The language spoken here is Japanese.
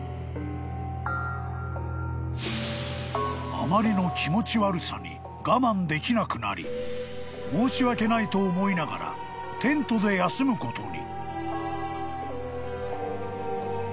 ［あまりの気持ち悪さに我慢できなくなり申し訳ないと思いながらテントで休むことに］